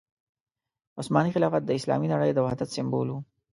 عثماني خلافت د اسلامي نړۍ د وحدت سمبول وو.